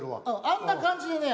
あんな感じでね